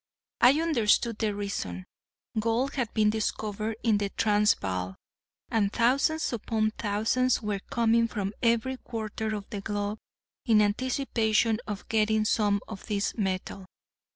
I understood the reason. Gold had been discovered in the Transvaal, and thousands upon thousands were coming from every quarter of the globe in anticipation of getting some of this metal.